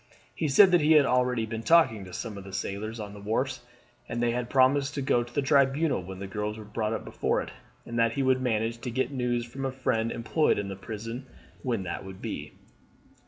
He said that he had already been talking to some of the sailors on the wharves, and that they had promised to go to the Tribunal when the girls were brought up before it, and that he would manage to get news from a friend employed in the prison when that would be.